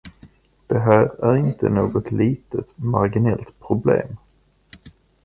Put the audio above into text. Det här är inte något litet, marginellt problem.